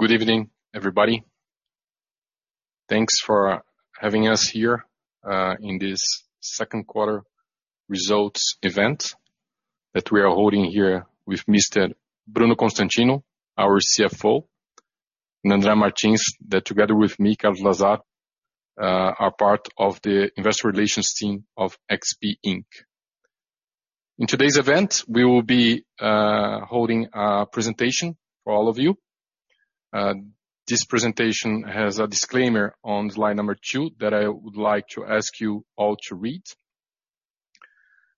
Good evening, everybody. Thanks for having us here in this second quarter results event that we are holding here with Mr. Bruno Constantino, our CFO, and André Martins, that together with me, Carlos Lazar, are part of the investor relations team of XP Inc. In today's event, we will be holding a presentation for all of you. This presentation has a disclaimer on slide number two that I would like to ask you all to read.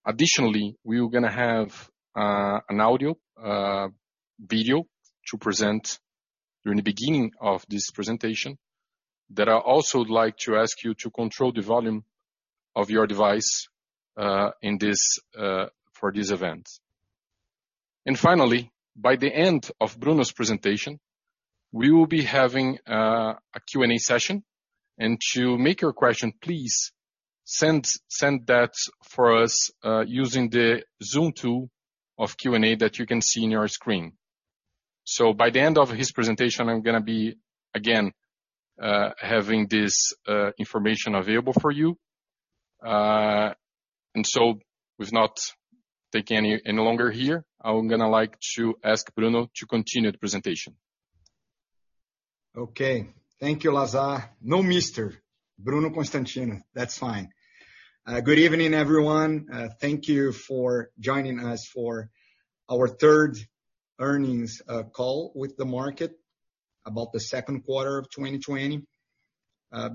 Additionally, we're going to have an audio-video to present during the beginning of this presentation that I also like to ask you to control the volume of your device for this event. Finally, by the end of Bruno's presentation, we will be having a Q&A session. To make your question, please send that for us using the Zoom tool of Q&A that you can see in your screen. By the end of his presentation, I'm going to be, again, having this information available for you. With not taking any longer here, I'm going to like to ask Bruno Constantino to continue the presentation. Okay. Thank you, Lazar. No, Mister, Bruno Constantino. That's fine. Good evening, everyone. Thank you for joining us for our third earnings call with the market about the second quarter of 2020.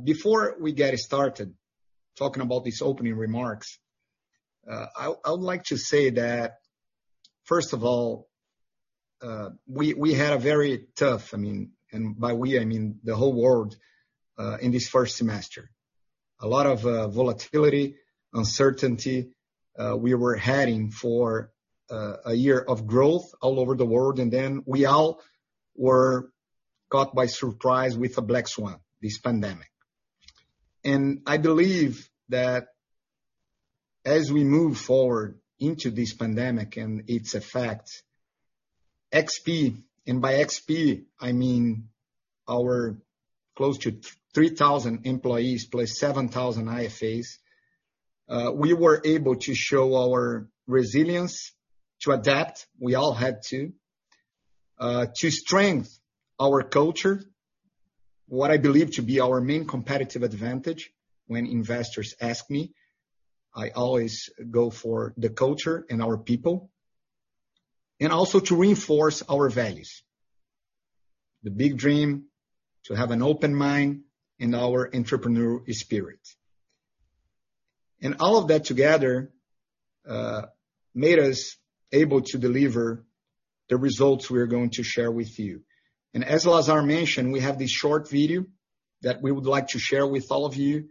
Before we get started talking about these opening remarks, I would like to say that, first of all, we had a very tough, and by we, I mean the whole world, in this first semester. A lot of volatility, uncertainty. We were heading for a year of growth all over the world. Then we all were caught by surprise with a black swan, this pandemic. I believe that as we move forward into this pandemic and its effect, XP Inc., and by XP Inc., I mean our close to 3,000 employees plus 7,000 IFAs, we were able to show our resilience to adapt. We all had to. To strengthen our culture, what I believe to be our main competitive advantage when investors ask me, I always go for the culture and our people. Also to reinforce our values. The big dream, to have an open mind and our entrepreneurial spirit. All of that together made us able to deliver the results we are going to share with you. As Carlos Lazar mentioned, we have this short video that we would like to share with all of you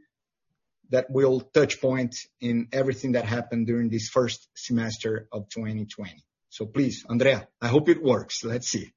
that will touchpoints in everything that happened during this first semester of 2020. Please, André. I hope it works. Let's see.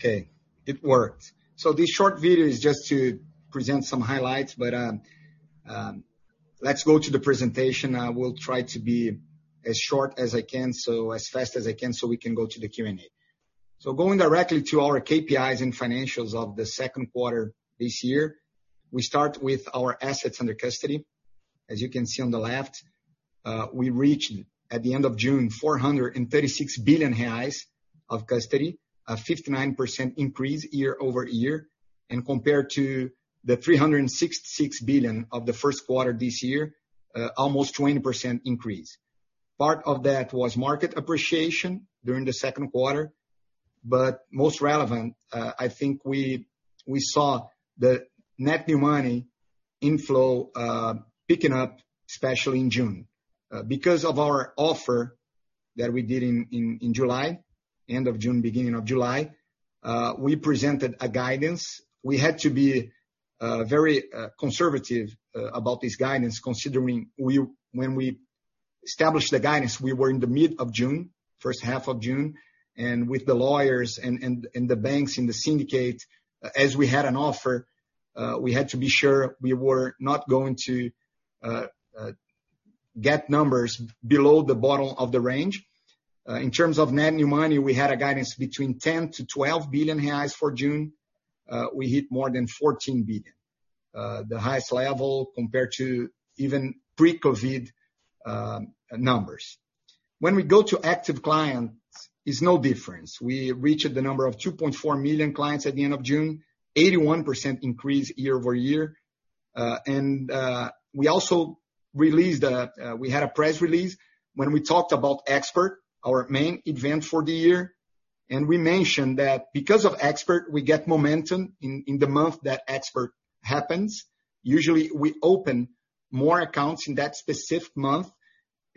Okay, it worked. This short video is just to present some highlights, but let's go to the presentation. I will try to be as short as I can, so as fast as I can so we can go to the Q&A. Going directly to our KPIs and financials of the second quarter this year, we start with our assets under custody. As you can see on the left, we reached at the end of June 436 billion reais of custody, a 59% increase year-over-year. Compared to the 366 billion of the first quarter this year, almost 20% increase. Part of that was market appreciation during the second quarter, but most relevant, I think we saw the net new money inflow picking up, especially in June. Because of our offer that we did in July, end of June, beginning of July, we presented a guidance. We had to be very conservative about this guidance, considering when we established the guidance, we were in mid-June, first half of June, and with the lawyers and the banks and the syndicate, as we had an offer, we had to be sure we were not going to get numbers below the bottom of the range. In terms of net new money, we had a guidance between 10 billion-12 billion reais for June. We hit more than 14 billion. The highest level compared to even pre-COVID-19 numbers. When we go to active clients, it's no difference. We reached the number of 2.4 million clients at the end of June, 81% increase year-over-year. We had a press release when we talked about Expert, our main event for the year, we mentioned that because of Expert, we get momentum in the month that Expert happens. Usually, we open more accounts in that specific month,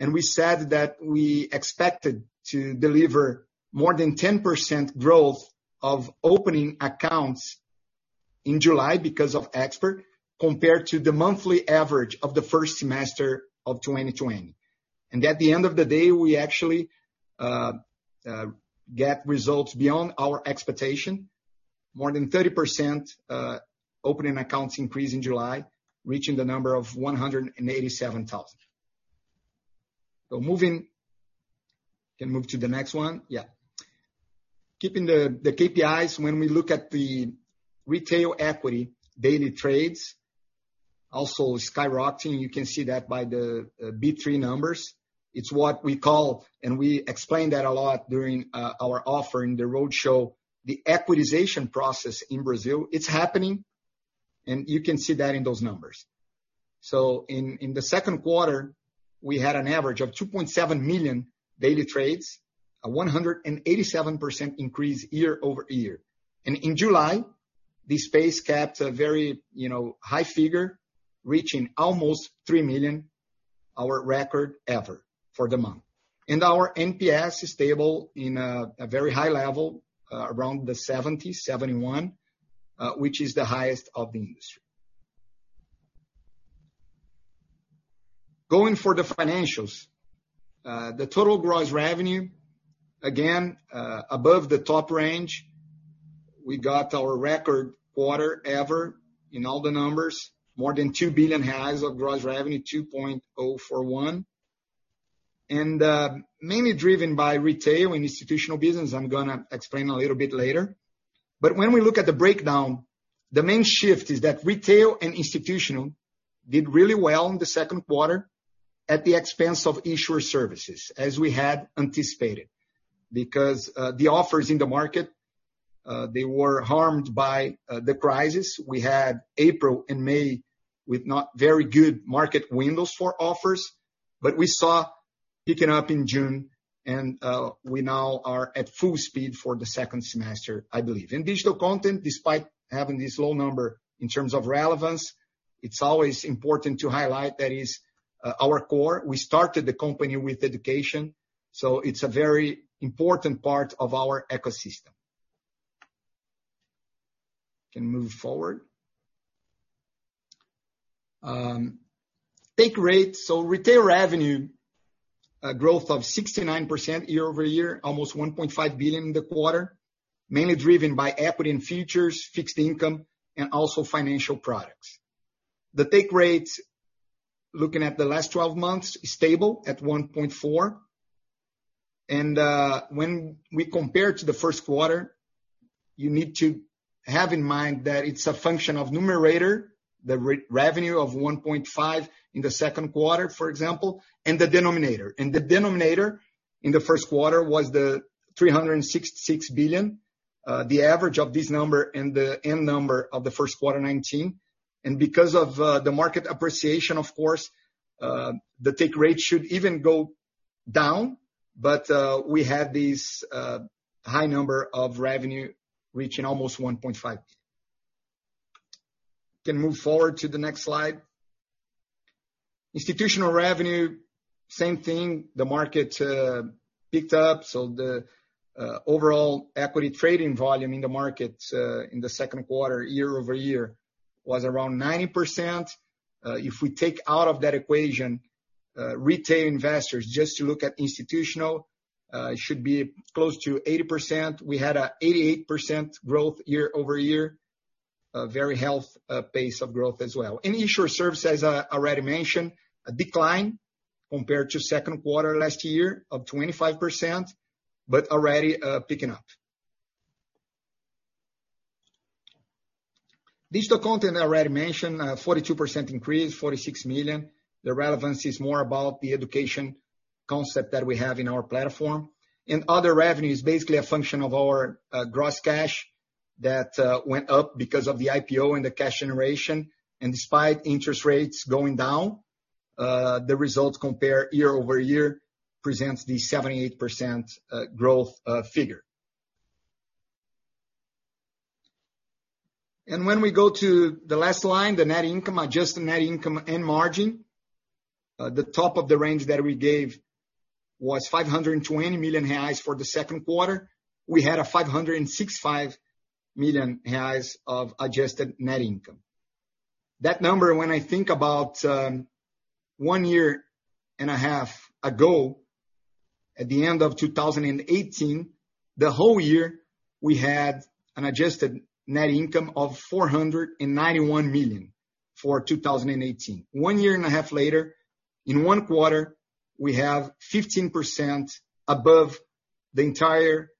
and we said that we expected to deliver more than 10% growth of opening accounts in July because of Expert, compared to the monthly average of the first semester of 2020. At the end of the day, we actually get results beyond our expectation. More than 30% opening accounts increase in July, reaching the number of 187,000. We can move to the next one. Keeping the KPIs, when we look at the retail equity daily trades, also skyrocketing. You can see that by the B3 numbers. It's what we call, and we explained that a lot during our offering, the roadshow, the equitization process in Brazil. It's happening, and you can see that in those numbers. In the second quarter, we had an average of 2.7 million daily trades, a 187% increase year-over-year. In July, this pace kept a very high figure, reaching almost three million, our record ever for the month. Our NPS is stable in a very high level, around the 70, 71, which is the highest of the industry. Going for the financials. The total gross revenue, again, above the top range. We got our record quarter ever in all the numbers, more than 2 billion of gross revenue, 2.041. Mainly driven by retail and institutional business, I'm going to explain a little bit later. When we look at the breakdown, the main shift is that retail and institutional did really well in the second quarter at the expense of issuer services, as we had anticipated. The offers in the market, they were harmed by the crisis. We had April and May with not very good market windows for offers, but we saw picking up in June, and we now are at full speed for the second semester, I believe. Digital content, despite having this low number in terms of relevance, it's always important to highlight that is our core. We started the company with education, so it's a very important part of our ecosystem. We can move forward. Take rate. Retail revenue, a growth of 69% year-over-year, almost 1.5 billion in the quarter, mainly driven by equity and futures, fixed income, and also financial products. The take rate, looking at the last 12 months, is stable at 1.4%. When we compare to the first quarter, you need to have in mind that it's a function of numerator, the revenue of 1.5 billion in the second quarter, for example, and the denominator. The denominator in the first quarter was the 366 billion. The average of this number and the end number of the first quarter 2019. Because of the market appreciation, of course, the take rate should even go down, but we had this high number of revenue reaching almost 1.5 billion. Can move forward to the next slide. Institutional revenue, same thing. The market picked up, so the overall equity trading volume in the market in the second quarter, year-over-year, was around 90%. If we take out of that equation retail investors, just to look at institutional, it should be close to 80%. We had a 88% growth year-over-year. A very healthy pace of growth as well. Issuer services, I already mentioned, a decline compared to second quarter last year of 25%, but already picking up. Digital content, I already mentioned, a 42% increase, 46 million. The relevance is more about the education concept that we have in our platform. Other revenue is basically a function of our gross cash that went up because of the IPO and the cash generation. Despite interest rates going down, the results compare year-over-year presents the 78% growth figure. When we go to the last line, the net income, adjusted net income and margin, the top of the range that we gave was 520 million reais for the second quarter. We had a 565 million reais of adjusted net income. That number, when I think about one year and a half ago, at the end of 2018, the whole year, we had an adjusted net income of 491 million for 2018. One year and a half later, in one quarter, we have 15% above the entire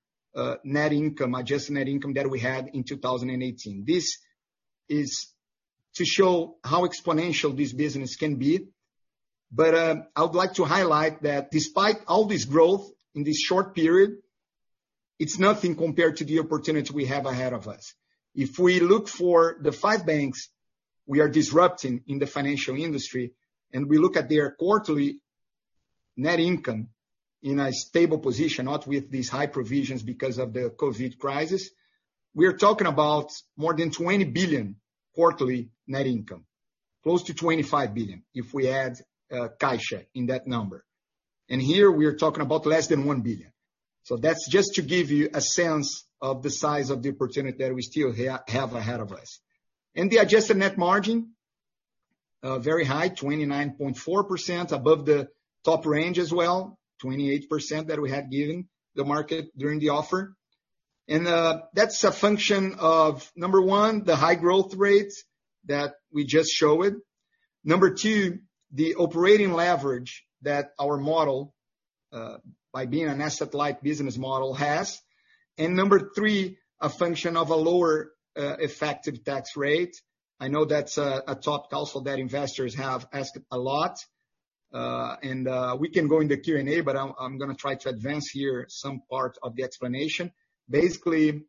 net income, adjusted net income that we had in 2018. This is to show how exponential this business can be. I would like to highlight that despite all this growth in this short period, it's nothing compared to the opportunity we have ahead of us. If we look for the five banks we are disrupting in the financial industry, and we look at their quarterly net income in a stable position, not with these high provisions because of the COVID-19 crisis, we're talking about more than 20 billion quarterly net income. Close to 25 billion if we add Caixa in that number. Here we are talking about less than 1 billion. That's just to give you a sense of the size of the opportunity that we still have ahead of us. The adjusted net margin, very high, 29.4% above the top range as well, 28% that we had given the market during the offer. That's a function of, number one, the high growth rates that we just showed. Number two, the operating leverage that our model by being an asset-light business model has. Number three, a function of a lower effective tax rate. I know that's a top topic that investors have asked a lot. We can go into Q&A, but I'm going to try to advance here some part of the explanation. Basically,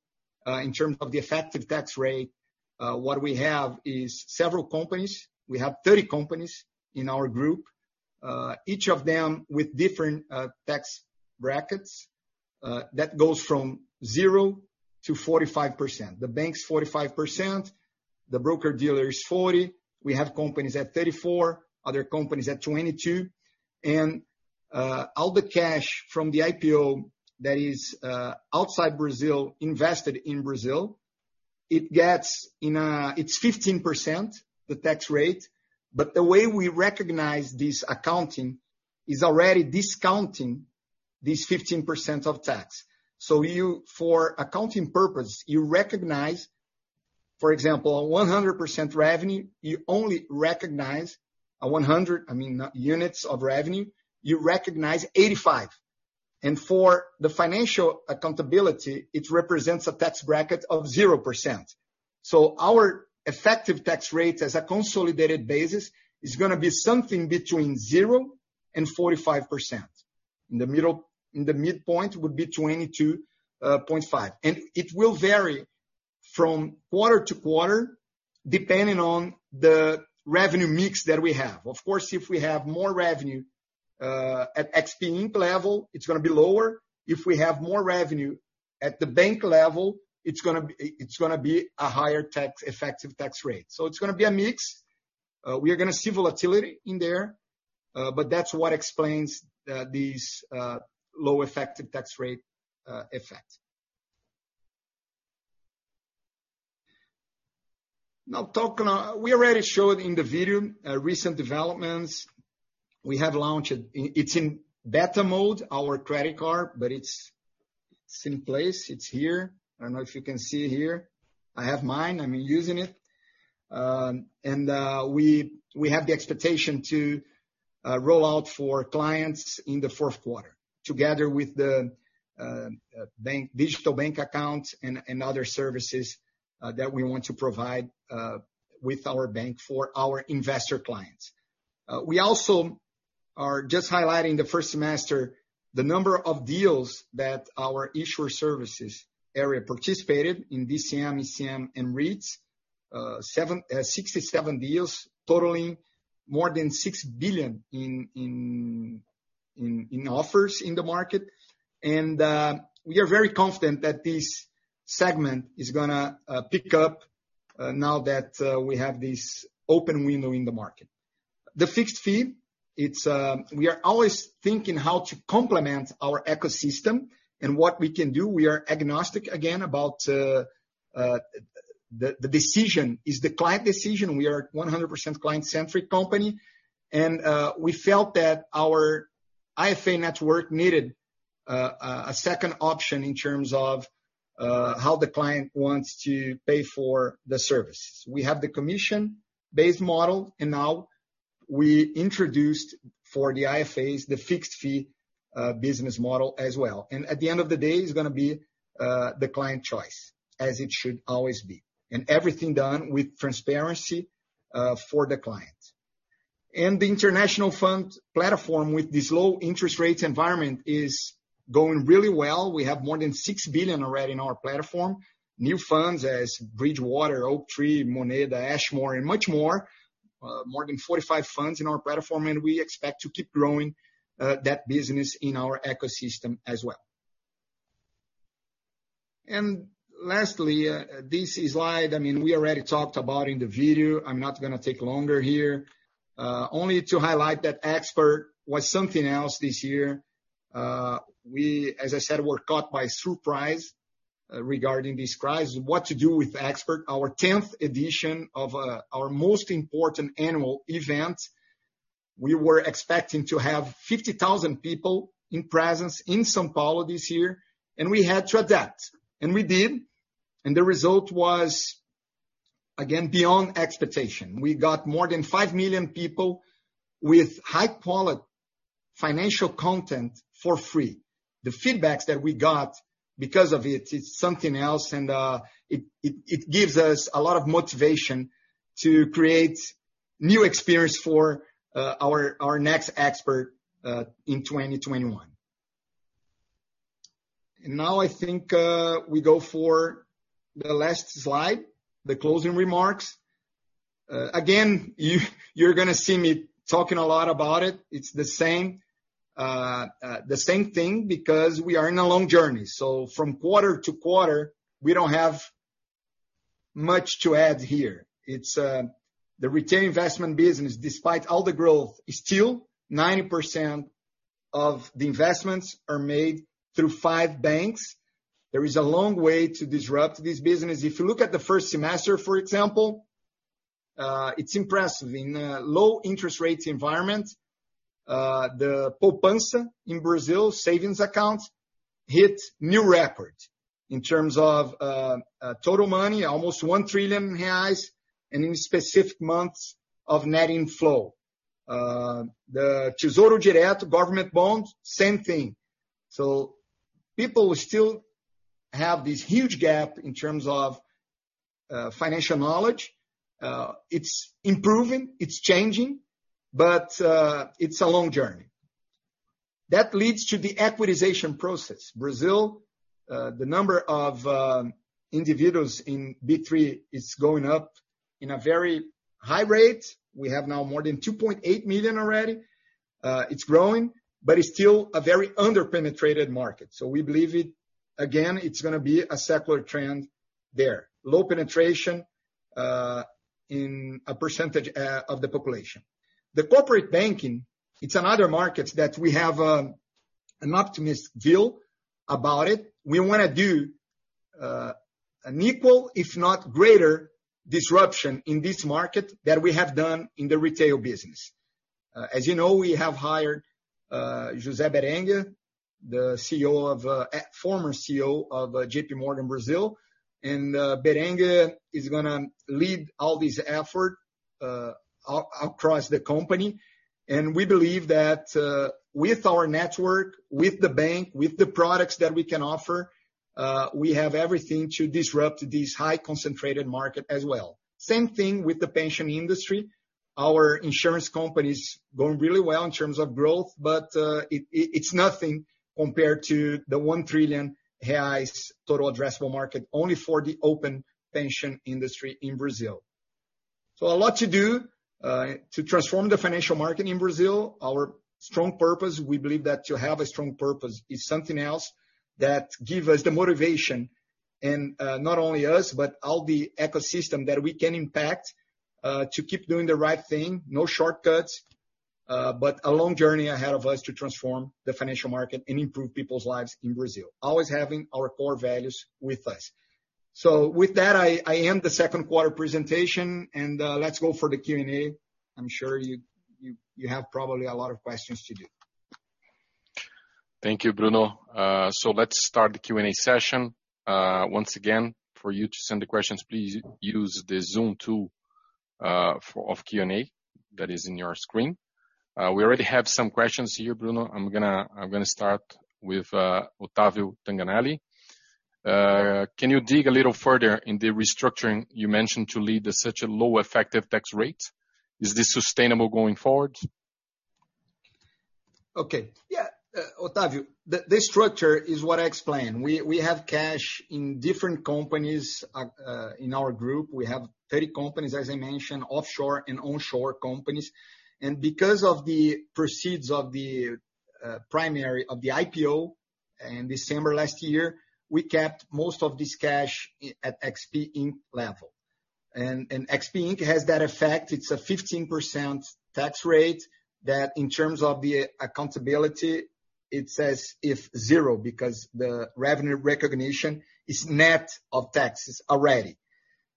in terms of the effective tax rate, what we have is several companies. We have 30 companies in our group. Each of them with different tax brackets that goes from 0%-45%. The bank's 45%, the broker-dealer is 40%. We have companies at 34%, other companies at 22%. All the cash from the IPO that is outside Brazil invested in Brazil, it's 15%, the tax rate. The way we recognize this accounting is already discounting this 15% of tax. For accounting purpose, you recognize, for example, 100% revenue. You only recognize 100 units of revenue. You recognize 85. For the financial accountability, it represents a tax bracket of 0%. Our effective tax rate as a consolidated basis is going to be something between 0% and 45%. In the midpoint would be 22.5%. It will vary from quarter-to-quarter depending on the revenue mix that we have. Of course, if we have more revenue at XP Inc. level, it's going to be lower. If we have more revenue at the bank level, it's going to be a higher effective tax rate. It's going to be a mix. We are going to see volatility in there. That's what explains these low effective tax rate effect. We already showed in the video recent developments. We have launched, it's in beta mode, our credit card, but it's in place. It's here. I don't know if you can see here. I have mine. I'm using it. We have the expectation to roll out for clients in the fourth quarter together with the digital bank accounts and other services that we want to provide with our XP Bank for our investor clients. We also are just highlighting the first semester, the number of deals that our issuer services area participated in DCM, ECM, and REITs. 67 deals totaling more than 6 billion in offers in the market. We are very confident that this segment is going to pick up now that we have this open window in the market. The fixed fee, we are always thinking how to complement our ecosystem and what we can do. We are agnostic again about the decision. It's the client decision. We are 100% client-centric company. We felt that our IFA network needed a second option in terms of how the client wants to pay for the services. We have the commission-based model, now we introduced for the IFAs the fixed fee business model as well. At the end of the day, it's going to be the client choice, as it should always be. Everything done with transparency for the client. The international fund platform with this low interest rates environment is going really well. We have more than 6 billion already in our platform. New funds as Bridgewater, Oaktree, Moneda, Ashmore, and much more. More than 45 funds in our platform, and we expect to keep growing that business in our ecosystem as well. Lastly, this slide, we already talked about in the video. I'm not going to take longer here. Only to highlight that Expert was something else this year. We, as I said, were caught by surprise regarding this crisis, what to do with Expert XP Inc., our 10th edition of our most important annual event. We were expecting to have 50,000 people in presence in São Paulo this year. We had to adapt. We did. The result was, again, beyond expectation. We got more than five million people with high-quality financial content for free. The feedbacks that we got because of it is something else, and it gives us a lot of motivation to create new experience for our next Expert XP Inc. in 2021. Now I think we go for the last slide, the closing remarks. Again, you're going to see me talking a lot about it. It's the same thing because we are in a long journey. From quarter-to-quarter, we don't have much to add here. It's the retail investment business. Despite all the growth, still 90% of the investments are made through five banks. There is a long way to disrupt this business. If you look at the first semester, for example, it's impressive. In a low interest rates environment, the poupança in Brazil, savings accounts, hit new record in terms of total money, almost 1 trillion reais, and in specific months of net inflow. The Tesouro Direto government bonds, same thing. People still have this huge gap in terms of financial knowledge. It's improving, it's changing, but it's a long journey. That leads to the equitization process. Brazil, the number of individuals in B3 is going up in a very high rate. We have now more than 2.8 million already. It's growing, it's still a very under-penetrated market. We believe it, again, it's going to be a secular trend there. Low penetration in a percentage of the population. The corporate banking, it's another market that we have an optimist view about it. We want to do an equal, if not greater, disruption in this market than we have done in the retail business. As you know, we have hired José Berenguer, the former CEO of JPMorgan Brazil. Berenguer is going to lead all this effort across the company. We believe that with our network, with the bank, with the products that we can offer, we have everything to disrupt this high concentrated market as well. Same thing with the pension industry. Our insurance company's going really well in terms of growth, but it's nothing compared to the 1 trillion reais total addressable market only for the open pension industry in Brazil. A lot to do to transform the financial market in Brazil. Our strong purpose, we believe that to have a strong purpose is something else that give us the motivation, and not only us, but all the ecosystem that we can impact to keep doing the right thing. No shortcuts but a long journey ahead of us to transform the financial market and improve people's lives in Brazil. Always having our core values with us. With that, I end the second quarter presentation, and let's go for the Q&A. I'm sure you have probably a lot of questions to do. Thank you, Bruno Constantino. Let's start the Q&A session. Once again, for you to send the questions, please use the Zoom tool of Q&A that is in your screen. We already have some questions here, Bruno. I'm going to start with Otavio Tanganelli. Can you dig a little further in the restructuring you mentioned to lead to such a low effective tax rate? Is this sustainable going forward? Okay. Yeah. Otavio Tanganelli, this structure is what I explained. We have cash in different companies in our group. We have 30 companies, as I mentioned, offshore and onshore companies. Because of the proceeds of the primary of the IPO in December last year, we kept most of this cash at XP Inc. level. XP Inc. has that effect. It's a 15% tax rate that in terms of the accountability, it says it's zero because the revenue recognition is net of taxes already.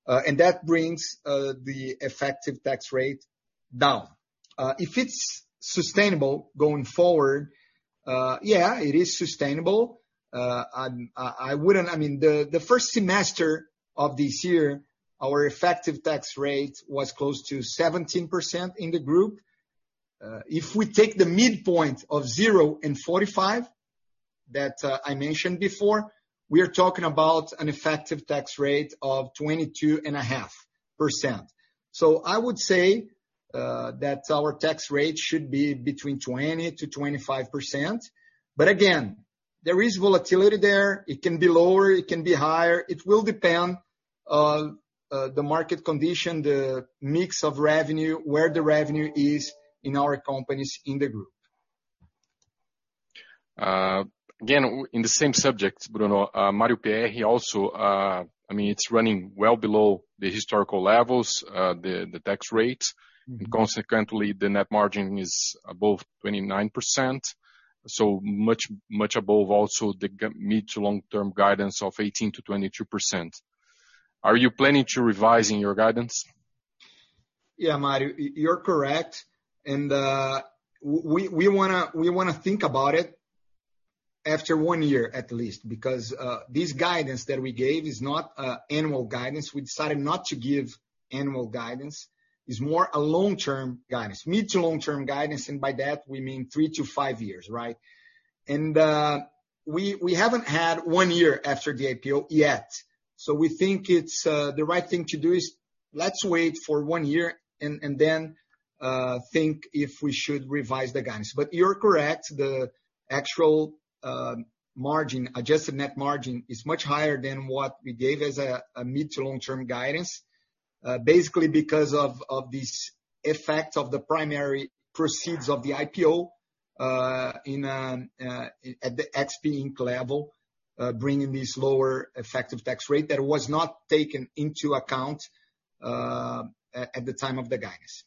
That brings the effective tax rate down. If it's sustainable going forward, yeah, it is sustainable. The first semester of this year, our effective tax rate was close to 17% in the group. If we take the midpoint of 0% and 45% that I mentioned before, we are talking about an effective tax rate of 22.5%. I would say that our tax rate should be between 20%-25%. Again, there is volatility there. It can be lower, it can be higher. It will depend on the market condition, the mix of revenue, where the revenue is in our companies in the group. Again, in the same subject, Bruno, Mario Pierry, it's running well below the historical levels, the tax rates. Consequently, the net margin is above 29%, so much above also the mid to long-term guidance of 18%-22%. Are you planning to revising your guidance? Yeah, Mario Pierry, you're correct. We want to think about it after one year at least, because this guidance that we gave is not annual guidance. We decided not to give annual guidance. It's more a long-term guidance, mid to long-term guidance. By that we mean three to five years, right? We haven't had one year after the IPO yet. We think the right thing to do is let's wait for one year and then think if we should revise the guidance. You're correct, the actual margin, adjusted net margin, is much higher than what we gave as a mid to long-term guidance. Basically because of this effect of the primary proceeds of the IPO at the XP Inc. level, bringing this lower effective tax rate that was not taken into account at the time of the guidance.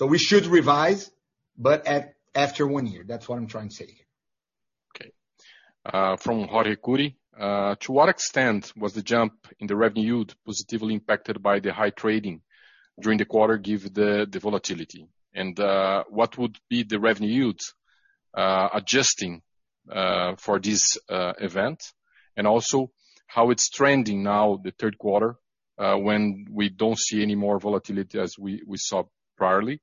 We should revise, but after one year, that's what I'm trying to say here. Okay. From Jorge Kuri. To what extent was the jump in the revenue yield positively impacted by the high trading during the quarter, given the volatility? What would be the revenue yield adjusting for this event? Also how it's trending now the third quarter, when we don't see any more volatility as we saw priorly.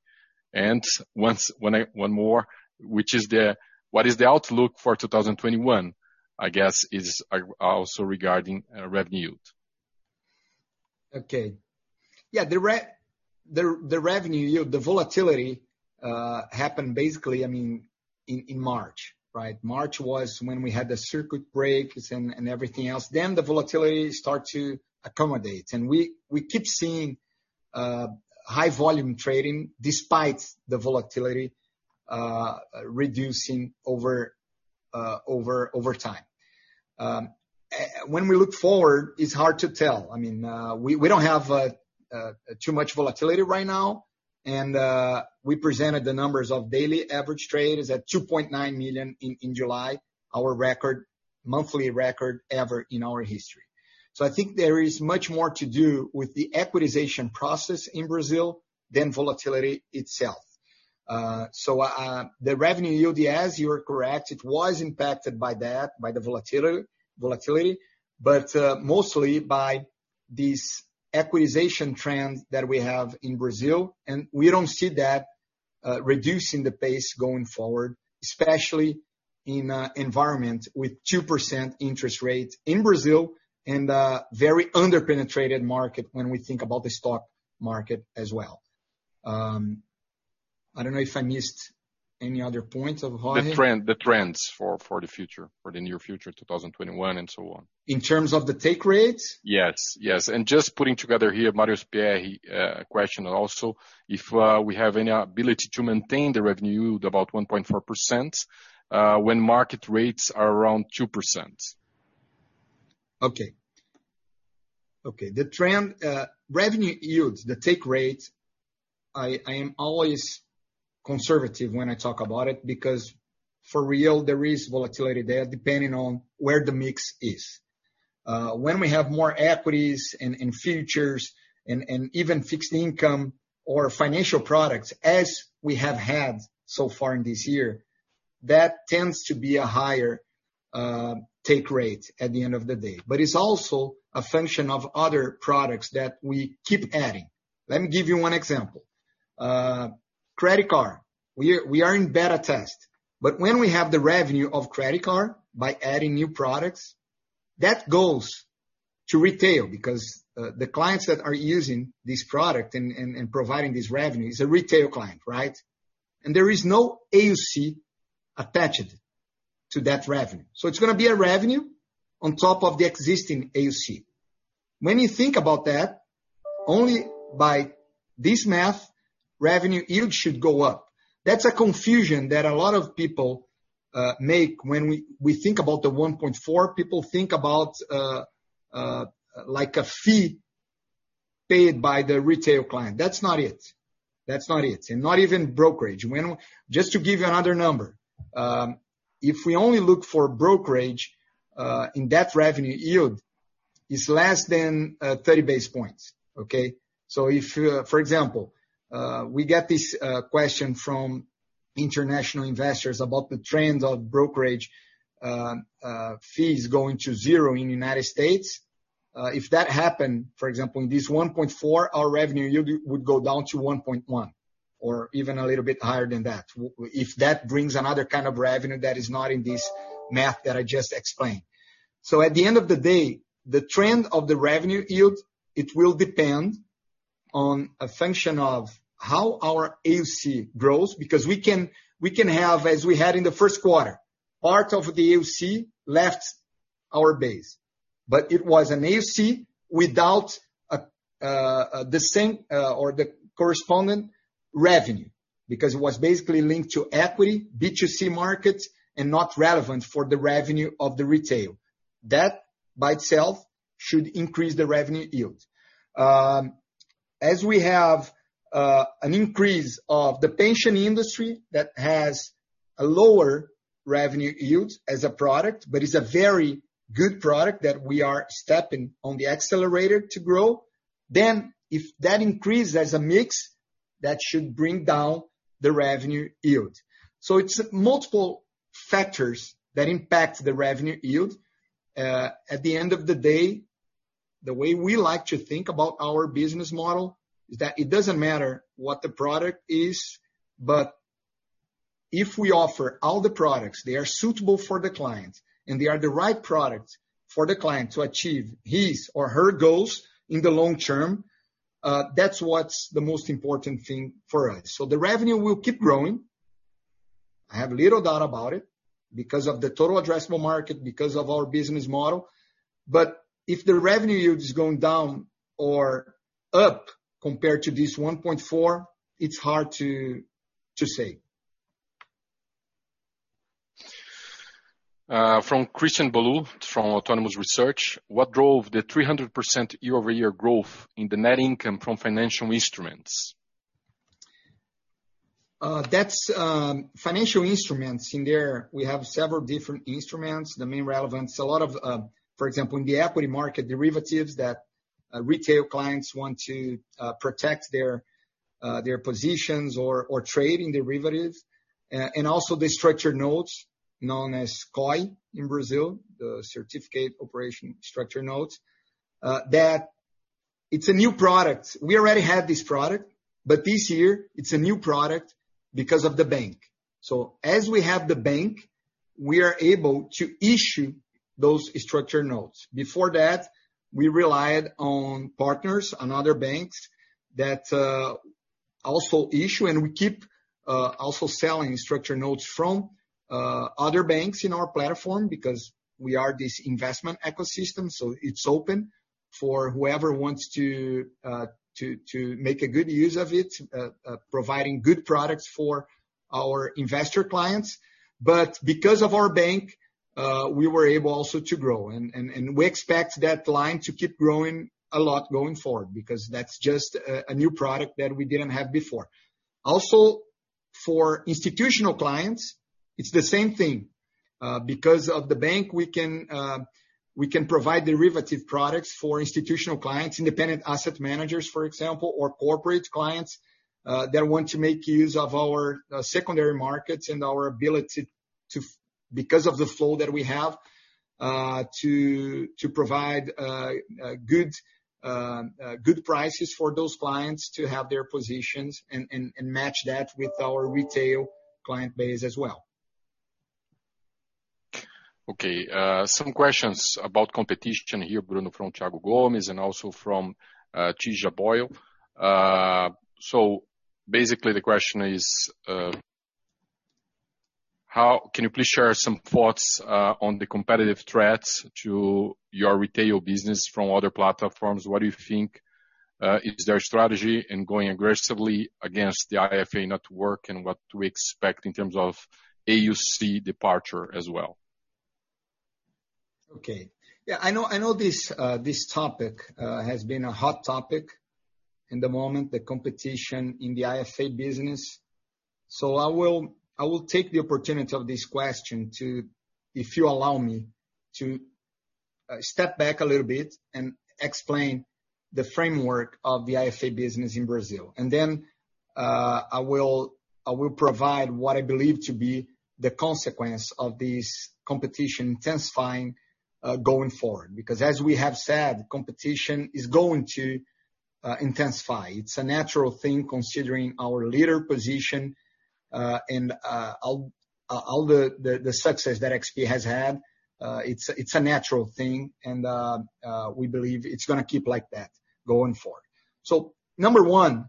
One more, what is the outlook for 2021, I guess is also regarding revenue yield. Okay. Yeah, the revenue yield, the volatility happened basically in March, right? March was when we had the circuit breakers and everything else. The volatility start to accommodate, and we keep seeing high volume trading despite the volatility reducing over time. When we look forward, it's hard to tell. We don't have too much volatility right now, and we presented the numbers of daily average trade is at 2.9 million in July, our monthly record ever in our history. I think there is much more to do with the equitization process in Brazil than volatility itself. The revenue yield, yes, you are correct, it was impacted by that, by the volatility, but mostly by this equitization trend that we have in Brazil. We don't see that reducing the pace going forward, especially in an environment with 2% interest rate in Brazil and a very under-penetrated market when we think about the stock market as well. I don't know if I missed any other points of Jorge Kuri. The trends for the future, for the near future, 2021 and so on. In terms of the take rate? Yes. Just putting together here, Mario Pierry question also, if we have any ability to maintain the revenue yield about 1.4%, when market rates are around 2%. Okay. Revenue yields, the take rate, I am always conservative when I talk about it because for real, there is volatility there depending on where the mix is. When we have more equities and futures and even fixed income or financial products as we have had so far in this year, that tends to be a higher take rate at the end of the day. It's also a function of other products that we keep adding. Let me give you one example. Credit card, we are in beta test, but when we have the revenue of credit card by adding new products, that goes to retail because the clients that are using this product and providing this revenue is a retail client, right? There is no AUC attached to that revenue. It's going to be a revenue on top of the existing AUC. When you think about that, only by this math, revenue yield should go up. That's a confusion that a lot of people make when we think about the 1.4, people think about a fee paid by the retail client. That's not it. Not even brokerage. Just to give you another number. If we only look for brokerage in that revenue yield, it's less than 30 basis points, okay? If, for example, we get this question from international investors about the trends of brokerage fees going to zero in the United States. If that happened, for example, in this 1.4, our revenue yield would go down to 1.1 or even a little bit higher than that, if that brings another kind of revenue that is not in this math that I just explained. At the end of the day, the trend of the revenue yield, it will depend on a function of how our AUC grows, because we can have, as we had in the first quarter, part of the AUC left our base. It was an AUC without the same or the corresponding revenue, because it was basically linked to equity, B2C market, and not relevant for the revenue of the retail. That by itself should increase the revenue yield. As we have an increase of the pension industry that has a lower revenue yield as a product, but is a very good product that we are stepping on the accelerator to grow, then if that increases as a mix, that should bring down the revenue yield. It's multiple factors that impact the revenue yield. At the end of the day, the way we like to think about our business model is that it doesn't matter what the product is, but if we offer all the products, they are suitable for the client and they are the right product for the client to achieve his or her goals in the long term, that's what's the most important thing for us. The revenue will keep growing. I have little doubt about it because of the total addressable market, because of our business model. If the revenue yield is going down or up compared to this 1.4%, it's hard to say. From Christian Competella from Autonomous Research. What drove the 300% year-over-year growth in the net income from financial instruments? Financial instruments in there, we have several different instruments. The main relevance, a lot of, for example, in the equity market, derivatives that retail clients want to protect their positions or trade in derivatives. Also the structured notes known as COE in Brazil, the Certificado de Operações Estruturadas, that it's a new product. We already had this product, but this year it's a new product because of the bank. As we have the bank, we are able to issue those structured notes. Before that, we relied on partners and other banks that also issue, and we keep also selling structured notes from other banks in our platform because we are this investment ecosystem, so it's open for whoever wants to make a good use of it, providing good products for our investor clients. Because of our bank, we were able also to grow and we expect that line to keep growing a lot going forward because that's just a new product that we didn't have before. Also for institutional clients, it's the same thing. Because of the bank, we can provide derivative products for institutional clients, independent asset managers, for example, or corporate clients that want to make use of our secondary markets and our ability to, because of the flow that we have, to provide good prices for those clients to have their positions and match that with our retail client base as well. Okay. Some questions about competition here, Bruno Constantino, from Thiago Gomes and also from Tito Labarta. Basically the question is, can you please share some thoughts on the competitive threats to your retail business from other platforms? What do you think is their strategy in going aggressively against the IFA network, and what do we expect in terms of AUC departure as well? Okay. Yeah, I know this topic has been a hot topic in the moment, the competition in the IFA business. I will take the opportunity of this question to, if you allow me, to step back a little bit and explain the framework of the IFA business in Brazil. Then I will provide what I believe to be the consequence of this competition intensifying going forward. As we have said, competition is going to intensify. It's a natural thing considering our leader position and all the success that XP Inc. has had. It's a natural thing and we believe it's going to keep like that going forward. Number one,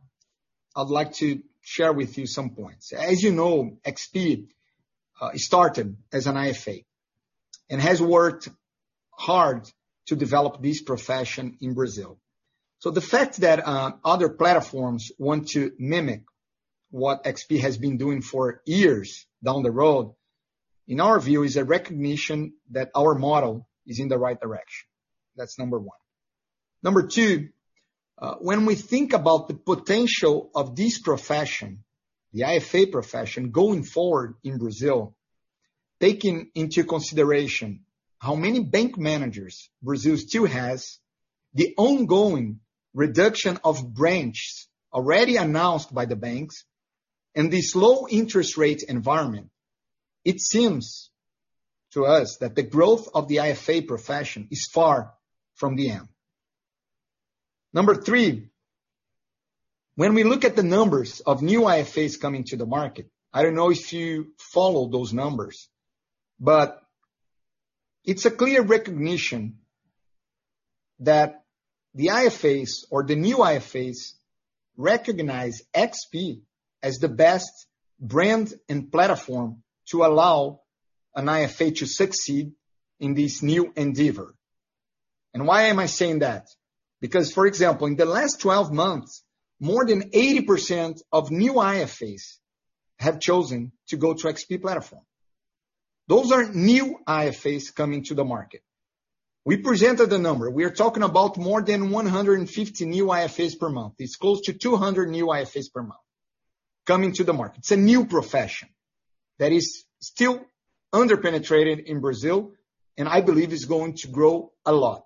I'd like to share with you some points. As you know, XP Inc. started as an IFA and has worked hard to develop this profession in Brazil. The fact that other platforms want to mimic what XP Inc. has been doing for years down the road, in our view, is a recognition that our model is in the right direction. That's number one. Number two, when we think about the potential of this profession, the IFA profession going forward in Brazil, taking into consideration how many bank managers Brazil still has, the ongoing reduction of branches already announced by the banks and this low interest rate environment. It seems to us that the growth of the IFA profession is far from the end. Number three, when we look at the numbers of new IFAs coming to the market, I don't know if you follow those numbers, but it's a clear recognition that the IFAs or the new IFAs recognize XP Inc. as the best brand and platform to allow an IFA to succeed in this new endeavor. Why am I saying that? Because, for example, in the last 12 months, more than 80% of new IFAs have chosen to go to XP Inc. platform. Those are new IFAs coming to the market. We presented the number. We are talking about more than 150 new IFAs per month. It's close to 200 new IFAs per month coming to the market. It's a new profession that is still under-penetrated in Brazil, and I believe it's going to grow a lot.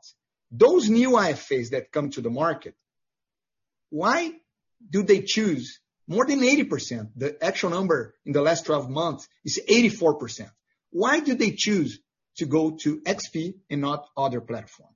Those new IFAs that come to the market, why do they choose, more than 80%, the actual number in the last 12 months is 84%, why do they choose to go to XP Inc. and not other platform?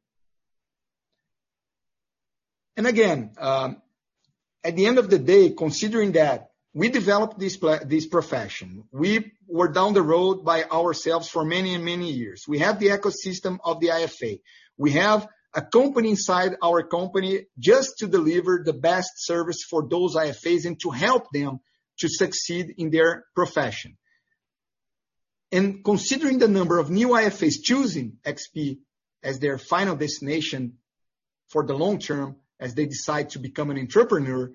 Again, at the end of the day, considering that we developed this profession. We were down the road by ourselves for many years. We have the ecosystem of the IFA. We have a company inside our company just to deliver the best service for those IFAs and to help them to succeed in their profession. Considering the number of new IFAs choosing XP Inc. as their final destination for the long term as they decide to become an entrepreneur,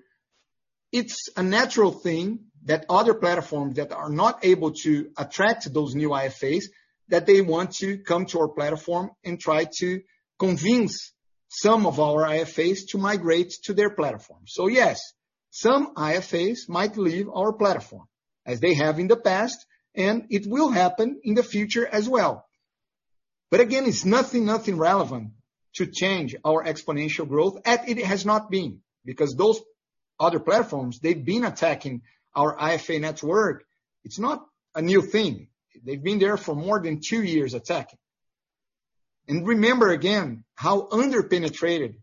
it's a natural thing that other platforms that are not able to attract those new IFAs, that they want to come to our platform and try to convince some of our IFAs to migrate to their platform. Yes, some IFAs might leave our platform, as they have in the past, and it will happen in the future as well. Again, it's nothing relevant to change our exponential growth, and it has not been. Those other platforms, they've been attacking our IFA network. It's not a new thing. They've been there for more than two years attacking. Remember again how under-penetrated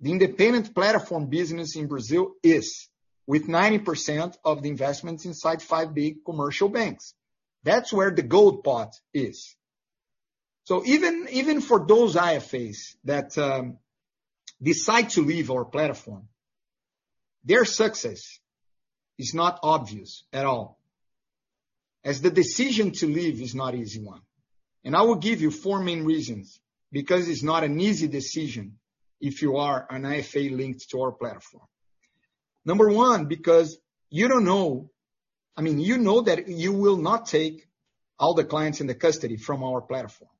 the independent platform business in Brazil is, with 90% of the investments inside five big commercial banks. That's where the gold pot is. Even for those IFAs that decide to leave our platform, their success is not obvious at all, as the decision to leave is not easy one. I will give you four main reasons, because it's not an easy decision if you are an IFA linked to our platform. Number one, because you know that you will not take all the clients into custody from our platform.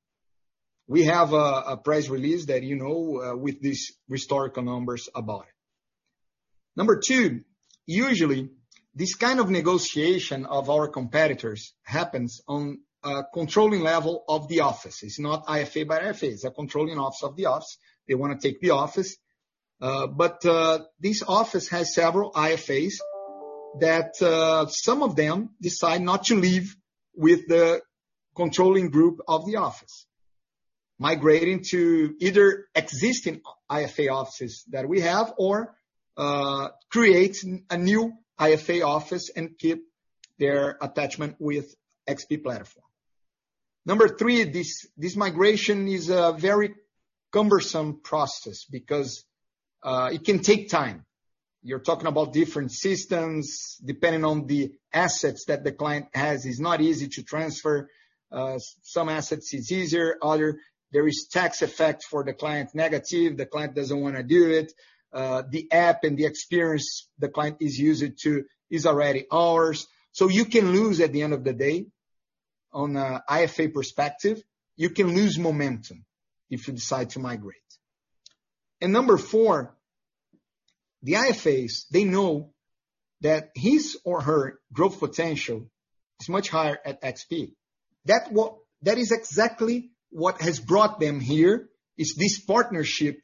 We have a press release that you know with these historical numbers about it. Number two, usually this kind of negotiation of our competitors happens on a controlling level of the office. It's not IFA by IFA. It's a controlling office of the office. They want to take the office. This office has several IFAs that some of them decide not to leave with the controlling group of the office, migrating to either existing IFA offices that we have or create a new IFA office and keep their attachment with XP Inc. platform. Number three, this migration is a very cumbersome process because it can take time. You're talking about different systems. Depending on the assets that the client has, it's not easy to transfer. Some assets it's easier. Other, there is tax effect for the client, negative. The client doesn't want to do it. The app and the experience the client is used to is already ours. You can lose at the end of the day on a IFA perspective, you can lose momentum if you decide to migrate. Number four, the IFAs, they know that his or her growth potential is much higher at XP Inc. That is exactly what has brought them here, is this partnership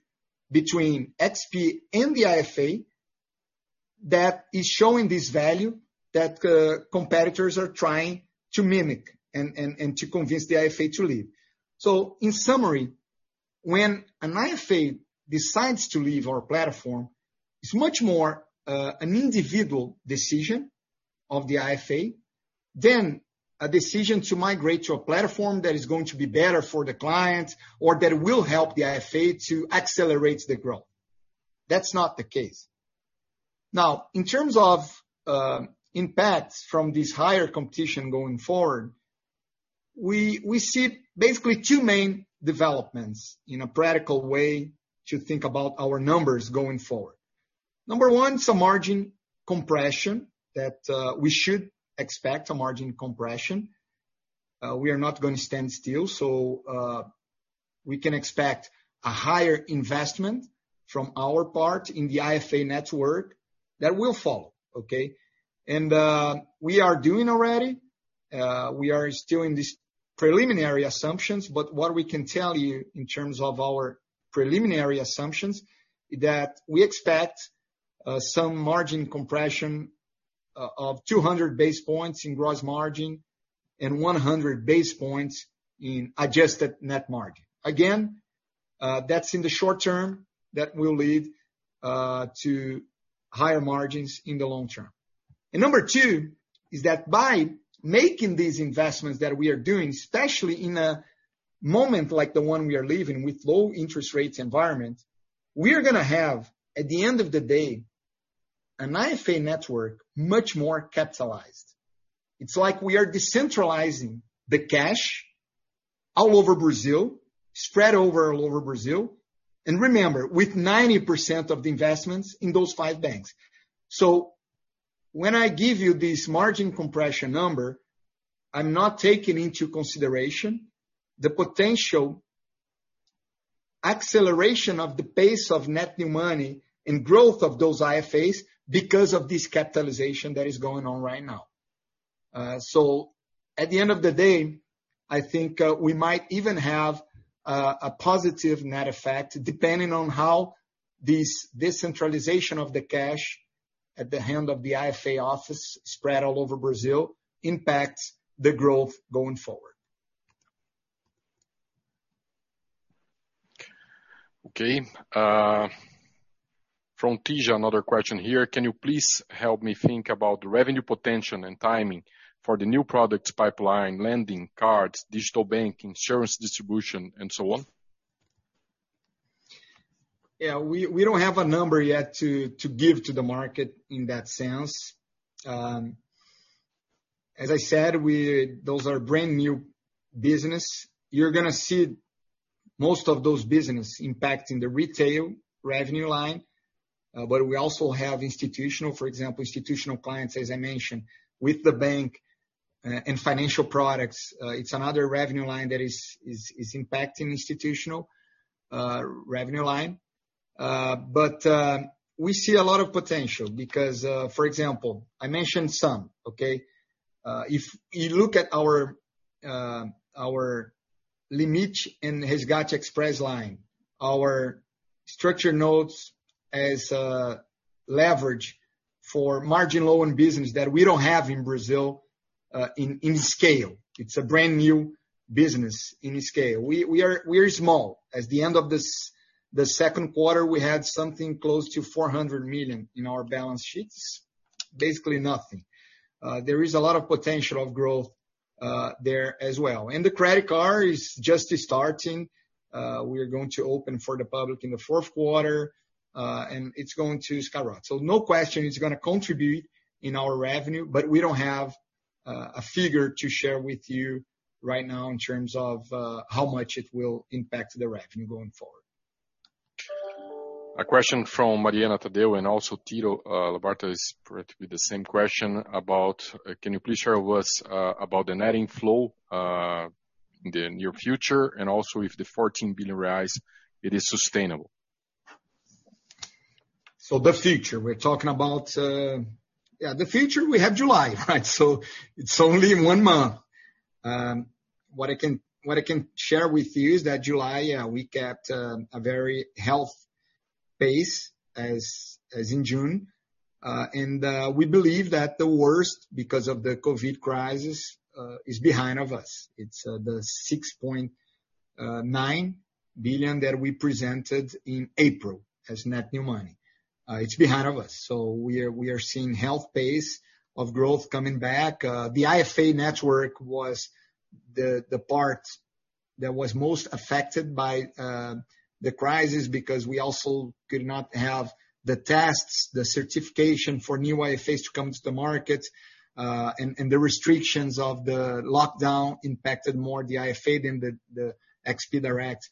between XP Inc. and the IFA that is showing this value that competitors are trying to mimic and to convince the IFA to leave. In summary, when an IFA decides to leave our platform, it's much more an individual decision of the IFA than a decision to migrate to a platform that is going to be better for the client or that will help the IFA to accelerate the growth. That's not the case. In terms of impacts from this higher competition going forward, we see basically two main developments in a practical way to think about our numbers going forward. Number one, some margin compression that we should expect, a margin compression. We are not going to stand still. We can expect a higher investment from our part in the IFA network that will follow, okay. We are doing already. We are still in these preliminary assumptions, but what we can tell you in terms of our preliminary assumptions, that we expect some margin compression of 200 basis points in gross margin and 100 basis points in adjusted net margin. Again, that's in the short term, that will lead to higher margins in the long term. Number two is that by making these investments that we are doing, especially in a moment like the one we are living with low interest rates environment, we are going to have, at the end of the day, an IFA network much more capitalized. It's like we are decentralizing the cash all over Brazil, spread over all over Brazil. Remember, with 90% of the investments in those five banks. When I give you this margin compression number, I'm not taking into consideration the potential acceleration of the pace of net new money and growth of those IFAs because of this capitalization that is going on right now. At the end of the day, I think we might even have a positive net effect depending on how this decentralization of the cash at the hand of the IFA office spread all over Brazil impacts the growth going forward. Okay. From Tito Labarta, another question here. Can you please help me think about the revenue potential and timing for the new products pipeline, lending, cards, digital bank, insurance distribution, and so on? We don't have a number yet to give to the market in that sense. As I said, those are brand new business. You're going to see most of those business impacting the retail revenue line. We also have institutional, for example, institutional clients, as I mentioned, with the bank and financial products. It's another revenue line that is impacting institutional revenue line. We see a lot of potential because, for example, I mentioned some, okay? If you look at our Limite and Resgate Express line, our structured notes as a leverage for margin loan business that we don't have in Brazil in scale. It's a brand new business in scale. We are small. At the end of the second quarter, we had something close to 400 million in our balance sheets. Basically nothing. There is a lot of potential of growth there as well. The credit card is just starting. We are going to open for the public in the fourth quarter and it's going to skyrocket. No question it's going to contribute in our revenue, but we don't have a figure to share with you right now in terms of how much it will impact the revenue going forward. A question from Mariana Tadeu and also Tito Labarta is probably the same question. Can you please share with us about the net inflow in the near future, and also if the 14 billion reais is sustainable? The future we're talking about Yeah, the future we have July, right? It's only in one month. What I can share with you is that July, yeah, we kept a very healthy pace as in June. We believe that the worst because of the COVID crisis is behind of us. It's the 6.9 billion that we presented in April as net new money. It's behind of us. We are seeing healthy pace of growth coming back. The IFA network was the part that was most affected by the crisis because we also could not have the tests, the certification for new IFAs to come to the market. The restrictions of the lockdown impacted more the IFA than the XP direct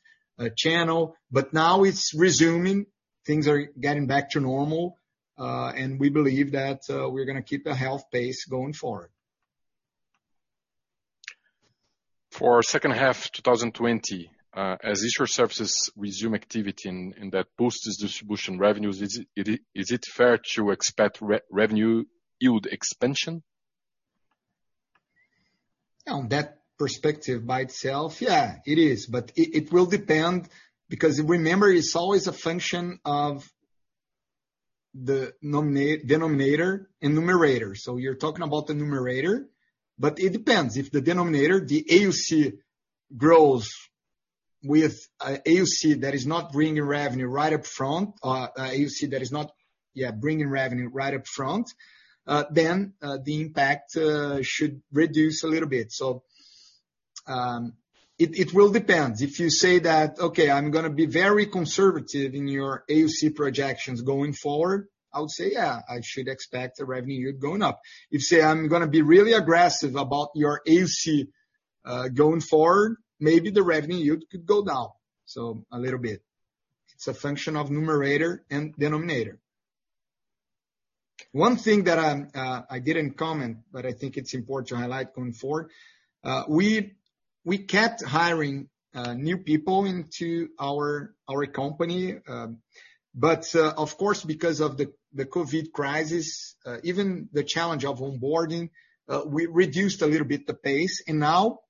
channel. Now it's resuming. Things are getting back to normal. We believe that we're going to keep a healthy pace going forward. For second half 2020, as issuer services resume activity and that boosts distribution revenues, is it fair to expect revenue yield expansion? On that perspective by itself, yeah, it is. It will depend because remember, it is always a function of the denominator and numerator. You are talking about the numerator, but it depends. If the denominator, the AUC grows with AUC that is not bringing revenue right up front, then the impact should reduce a little bit. It will depend. If you say that, "Okay, I am going to be very conservative" in your AUC projections going forward, I would say, yeah, I should expect the revenue going up. If you say, "I am going to be really aggressive" about your AUC going forward, maybe the revenue yield could go down. A little bit. It is a function of numerator and denominator. One thing that I did not comment but I think it is important to highlight going forward. We kept hiring new people into our company. Of course, because of the COVID crisis, even the challenge of onboarding, we reduced a little bit the pace. Now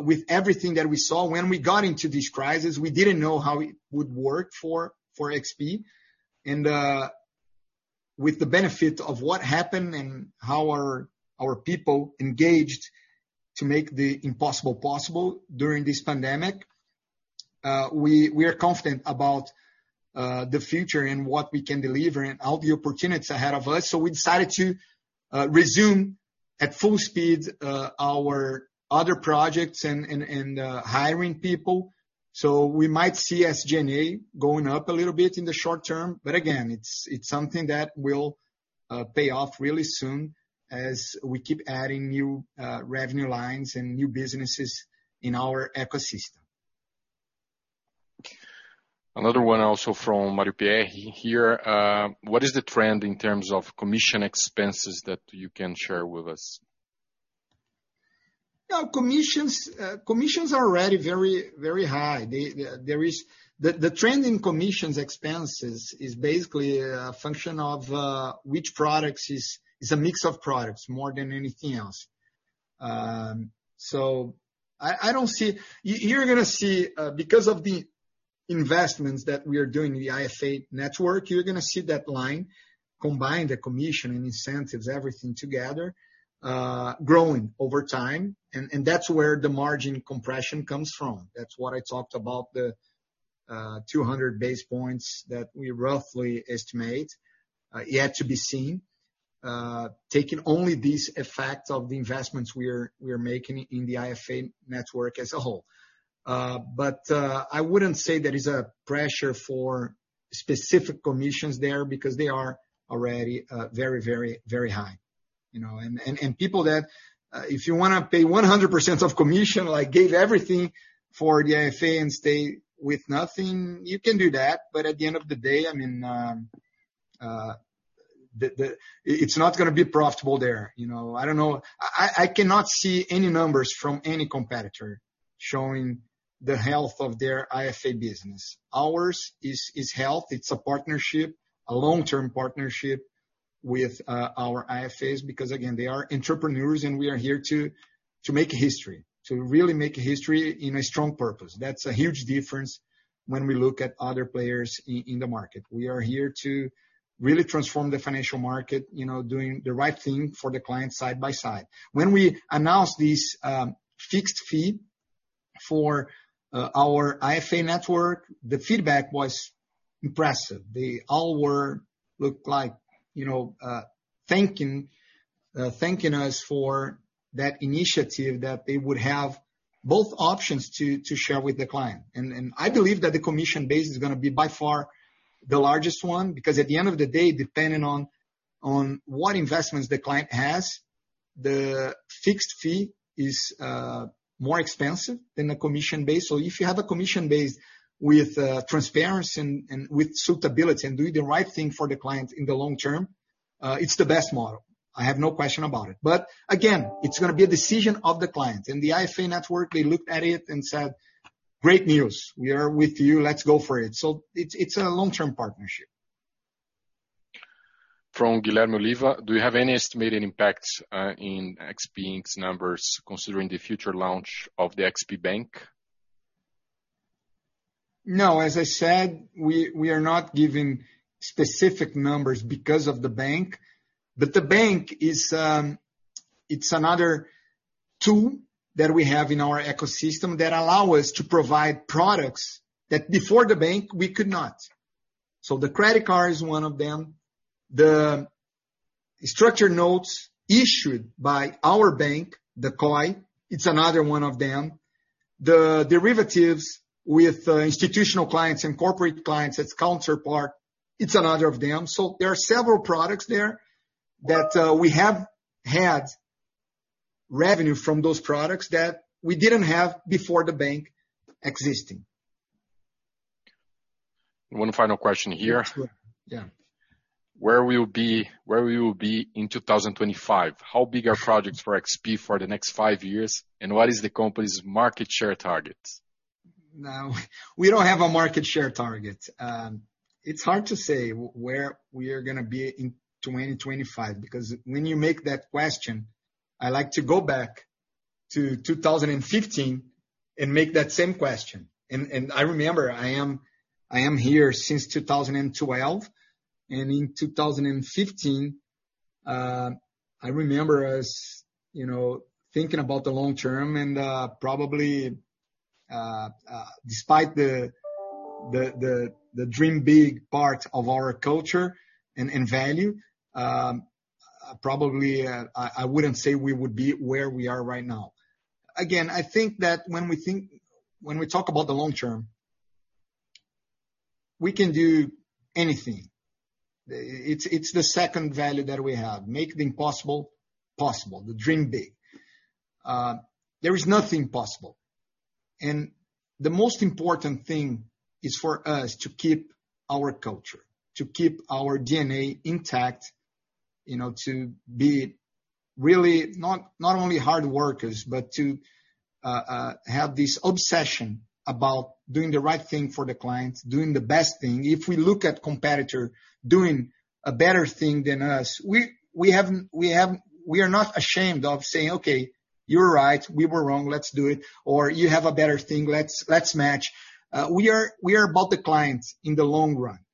with everything that we saw when we got into this crisis, we didn't know how it would work for XP Inc. With the benefit of what happened and how our people engaged to make the impossible possible during this pandemic, we are confident about the future and what we can deliver and all the opportunities ahead of us. We decided to resume at full speed our other projects and hiring people. We might see SG&A going up a little bit in the short term, but again, it's something that will pay off really soon as we keep adding new revenue lines and new businesses in our ecosystem. Another one also from Mario Pierry here. What is the trend in terms of commission expenses that you can share with us? Commissions are already very high. The trend in commissions expenses is basically a function of which products. It's a mix of products more than anything else. You're going to see, because of the investments that we are doing in the IFA network, you're going to see that line combine the commission and incentives, everything together, growing over time, and that's where the margin compression comes from. That's what I talked about the 200 basis points that we roughly estimate yet to be seen, taking only these effects of the investments we are making in the IFA network as a whole. I wouldn't say there is a pressure for specific commissions there because they are already very high. People that if you want to pay 100% of commission, give everything for the IFA and stay with nothing, you can do that. At the end of the day, it's not going to be profitable there. I don't know. I cannot see any numbers from any competitor showing the health of their IFA business. Ours is healthy. It's a partnership, a long-term partnership with our IFAs because, again, they are entrepreneurs and we are here to make history, to really make history in a strong purpose. That's a huge difference when we look at other players in the market. We are here to really transform the financial market, doing the right thing for the client side by side. When we announced this fixed fee for our IFA network, the feedback was impressive. They all were thanking us for that initiative that they would have both options to share with the client. I believe that the commission base is going to be by far the largest one, because at the end of the day, depending on what investments the client has, the fixed fee is more expensive than the commission base. If you have a commission base with transparency and with suitability and doing the right thing for the client in the long term, it's the best model. I have no question about it. Again, it's going to be a decision of the client. The IFA network, they looked at it and said, "Great news. We are with you. Let's go for it." It's a long-term partnership. From Guilherme Oliveira, do you have any estimated impact in XP Inc.'s numbers considering the future launch of the XP Bank? No, as I said, we are not giving specific numbers because of the bank. The bank it's another tool that we have in our ecosystem that allow us to provide products that before the bank we could not. The credit card is one of them. The structured notes issued by our bank, the COE, it's another one of them. The derivatives with institutional clients and corporate clients as counterpart, it's another of them. There are several products there that we have had revenue from those products that we didn't have before the bank existing. One final question here. Where we will be in 2025? How big are projects for XP Inc. for the next five years, and what is the company's market share target? No, we don't have a market share target. It's hard to say where we are going to be in 2025, because when you make that question, I like to go back to 2015 and make that same question. I remember I am here since 2012, and in 2015, I remember us thinking about the long term and probably despite the Dream Big part of our culture and value, probably I wouldn't say we would be where we are right now. Again, I think that when we talk about the long term, we can do anything. It's the second value that we have, make the impossible possible, the Dream Big. There is nothing impossible. The most important thing is for us to keep our culture, to keep our DNA intact, to be really not only hard workers, but to have this obsession about doing the right thing for the clients, doing the best thing. If we look at competitor doing a better thing than us, we are not ashamed of saying, "Okay, you're right. We were wrong. Let's do it." Or, "You have a better thing. Let's match." We are about the clients in the long run.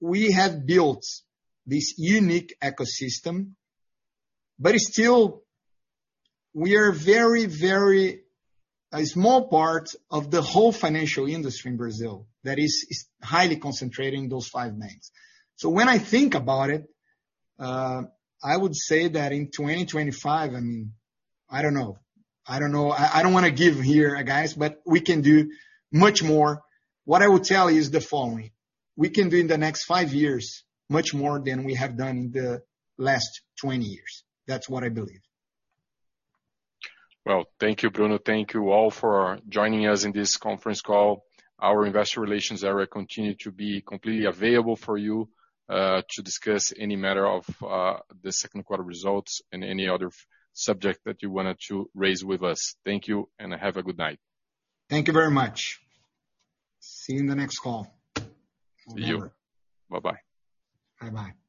We have built this unique ecosystem, but still we are a very small part of the whole financial industry in Brazil that is highly concentrated in those five banks. When I think about it, I would say that in 2025, I don't know. I don't want to give here, guys, but we can do much more. What I would tell you is the following. We can do in the next five years much more than we have done in the last 20 years. That's what I believe. Well, thank you, Bruno Constantino. Thank you all for joining us in this conference call. Our investor relations area continue to be completely available for you to discuss any matter of the second quarter results and any other subject that you wanted to raise with us. Thank you, and have a good night. Thank you very much. See you in the next call. See you. Bye-bye. Bye-bye.